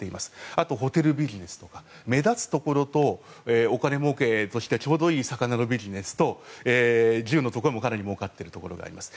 あとホテルビジネスとか目立つところとお金もうけとしてちょうどいい魚のビジネスと銃のところも、かなりもうかっているところがあります。